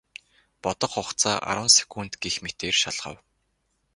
Бодох хугацаа арван секунд гэх мэтээр шалгав.